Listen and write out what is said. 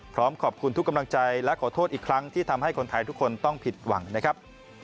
พร้อมขอบคุณทุกกำลังใจและขอโทษอีกครั้งที่ทำให้คนไทยทุกคนต้องผิดหวังนะครับ